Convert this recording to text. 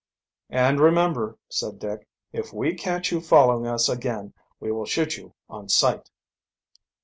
"And remember," said Dick, "if we catch you following us again we will shoot you on sight."